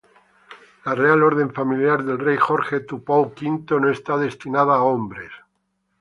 La Real Orden Familiar del Rey George Tupou V no está destinada a hombres.